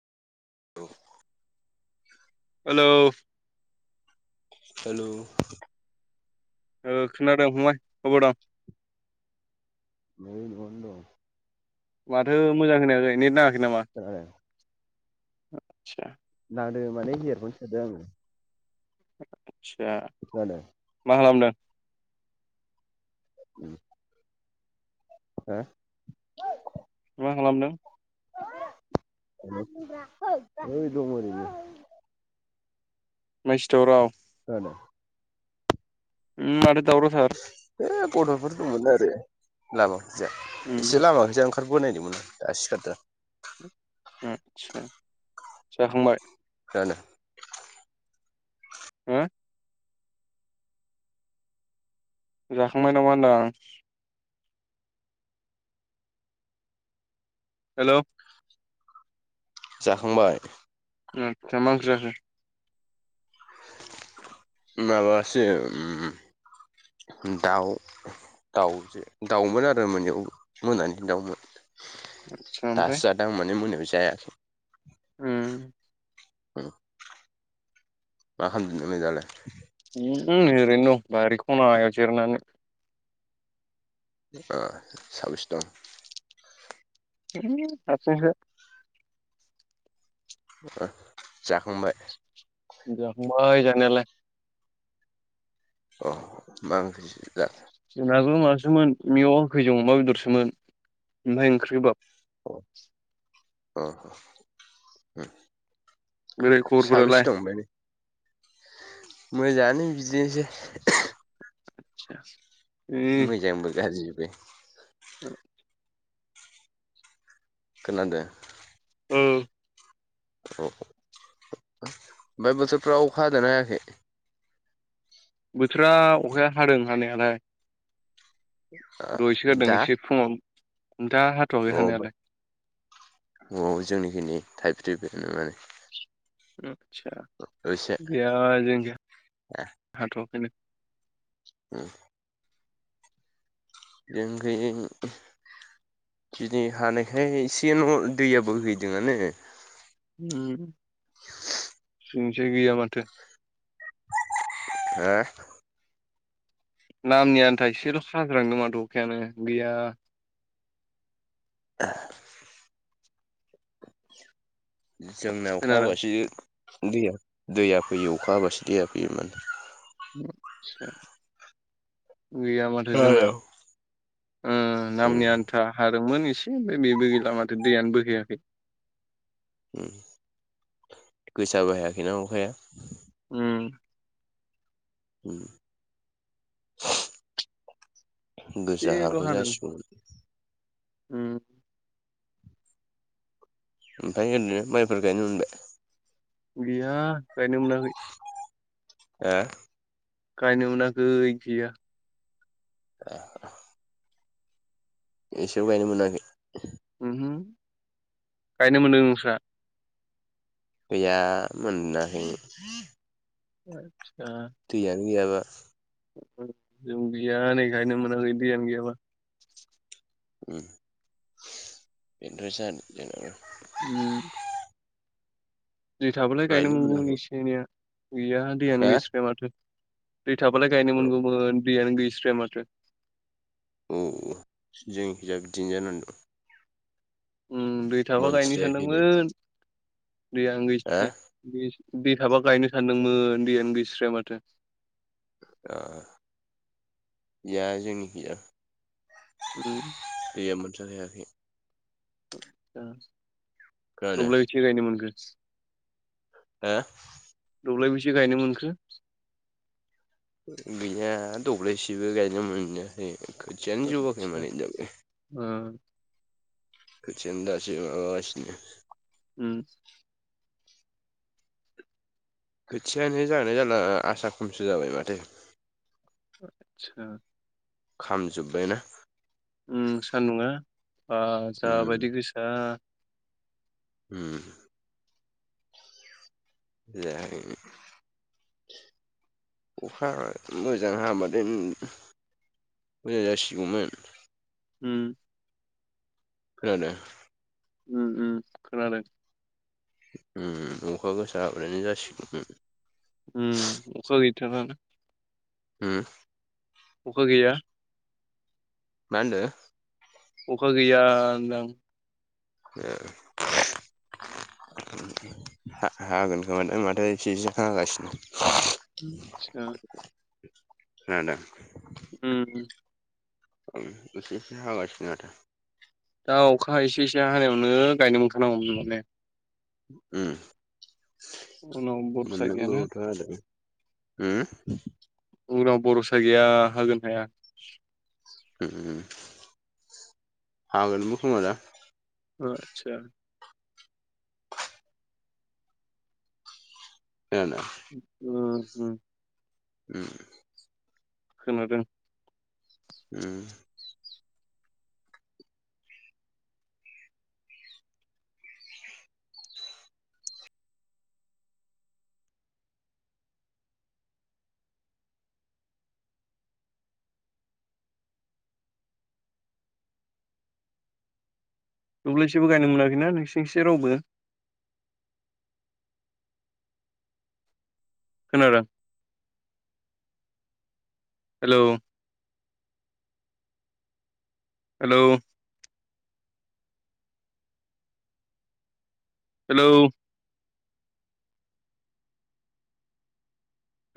औ hello hello ओ खोनादों फंबाय अबाव दं? नै न'आवनो दं। माथो मोजां खोनायाखै नेट नाङाखै नामा? [unintelligible] आथसा नांदो माने इयारफन सोदो आङो आतसा जालाय मा खालामदों उ हा मा खालामदों? ओय दं ओरैनो मायसि दावराव खोनादो। उम माथो दावराव थार। ओ गथ'फोर दंमोन आरो लामा खैजा उम एसे लामा खैजा ओंखार बोनायदोंमोन आं दासो सिखारदों। उम सा जाखांबाय? फोरानो हो जाखांबाय नामा होनदां। हेलौ जाखांबाय। उम ओमफ्राय मा ओंख्रि जाखो? माबासे उम दाउ दाउजो दाउमोन आरो मोनायाव मोनानि दाउमोन। आथसा दासो ओमफ्राय जादों आं माने मोनायाव जायाखै। उम उम मा खामदों [unintelligible] जालाय उम नै‌ ओरैनो दं बारि खना हायाव जिरनानै। ओ साबैसे दं? ओ हारसिंनो। ओ जाखांबाय। जाखांबाय जानायालाय। अ' मा ओंख्रि जाखो? जोंनाबो माबासोमोन मेवा गोखैजों अमा बेदरसोमोन। ओमफ्राय ओंख्रि गोबाब औ अ' उम बोरै खबरफोरालाय साबैसे दं ओमफाय मोजाङानो बिदिनोसै। आथसा मोजांबो गाज्रिबो। ओ खोनादो। ओ औ ओमफाय बोथोरफ्राव अखा हादोंना हायाखै? बोथोरा अखाया हादों हानायालाय। दयसो गारदों एसे फुङाव नोंथाङा हा औ ओफाय औ जोंनिखि नै थाइफ्रि बायानो माने आतसा एसे गैया जों गैया हाथ'वाखैनो। उम जोंखै दिनै हानायखाय एसे न' दैया बोहैदोंआनो। उम जोंनिजाय गैया माथो। आ नामनि आन्था एसेल' साजांदों माथो अखायानो गैया। जोंना अखा खोनादों हाबासो दैया दैया फैयो अखा हाबासो दैया फैयो माने। [unintelligible] गैया माथो जोंना ओ उम नामनि आन्था हादोंमोन एसे ओमफ्राय बेबो गैला माथो दैयानो बोहैयाखै। उम गोसाबो हायाखैना अखाया। उम उम गोसा एसेल' हाबो हादों जासिगौमोन। उम ओमफ्राय ओरैनो माइफोर गायनो मोनबाय? गैया गायनो मोनाखै। ओ गायनो मोनाखै गैया। ए एसेबो गायनो मोनाखै? उमहु गायनो मोनदों नोंस्रा? गैया मोनाखै। आतसा दैैयानो गैयाबा। जों गैया नै गायनो मोनाखै दैयानो गैयाबा। उम बेनोथ'सो आरो जोंनियाव। उम दै थाबालाय गायनो मोनगौमोन एसे एनैया गैया दैयानो हा गैस्राया माथो। दै थाबालाय गायनो औ मोनगौमोन दैयानो गैस्राया माथो। औ जोंखिजाय बिदिनो जानानै दं। उम दै थाबा गायनो मोनस्रायाखैनो सानदोंमोन दैयानो हा गैसथे दै दै थाबा गायनो सानदोंमोन दैयानो गैस्राया माथो। ओ गैया जोंनि खैजाय उम दैया मोनथाखायाखै। ओ खोनादों दब्लायबेसे गायनो मोनखो? हो दौलायबैसे गायनो मोनखो? गैया दब्लायसेबो गायनो मोनाखै खोथियानो जौआखै माने दाबो। उम खोथियानो दासो माबागासिनो। उम खोथियानो जागोना जाला आसा खमसो जाबाय माथो। आतसा खामजोब्बाय ना। उम सानदुंआ ओ उम जाबायदि गोसा। उम जायाखैनो। अखा मोजां हाबादेन मोजां जासिगौमोन। उम। खोनादो। ओम ओम खोनादों। उम अखा गोसा हाबानो जासिगौमोन। उम अखा गैथारा ना। उम अखा गैया। मा होनदो? अखा गैया होनदो आं। [unintelligible] हा-हागोन खोमादां माथो एसे एसे हागासिनो। आथसा। खोनादों। उम उम। ओम एसे एसे हागासिनो आरो। दा अखा एसे एसे हानायावनो गायनो मोनखानांगौमोन होनबा ने। मोनांगौथ' आरो। होम? उनाव बर'सा गैया होगोन हाया। ओम हागोनबो खोमादा। आतसा। जानो। अ उम। उम। खोनादों। उम। दब्लायसेबो गायनो मोनाखैना नोंसिनिथिं रावबो? खोनादों हेलौ। हेलौ। हेलौ।